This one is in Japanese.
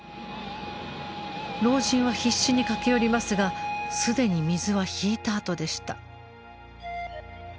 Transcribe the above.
老人は必死に駆け寄りますが既に水は引いたあとでした。